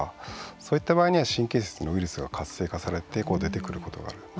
そういった場合には神経節のウイルスが活性化されて出てくることがあります。